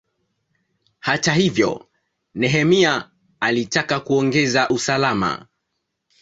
Hata hivyo, Nehemia alitaka kuongeza usalama.